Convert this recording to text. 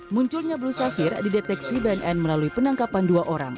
munculnya blue safir dideteksi bnn melalui penangkapan dua orang